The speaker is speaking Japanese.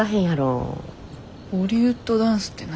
ボリウッドダンスって何？